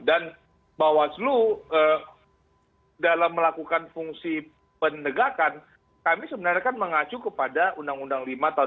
dan bahwa selu dalam melakukan fungsi penegakan kami sebenarnya kan mengacu kepada undang undang lima tahun dua ribu empat belas